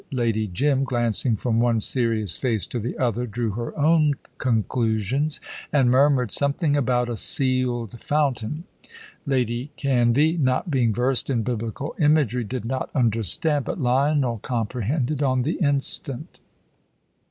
Lady Jim, glancing from one serious face to the other, drew her own conclusions, and murmured something about a "sealed fountain." Lady Canvey, not being versed in biblical imagery, did not understand, but Lionel comprehended on the instant.